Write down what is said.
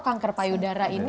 kanker payudara ini